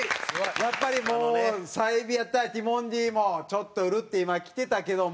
やっぱりもう済美やったらティモンディもちょっとうるって今きてたけども。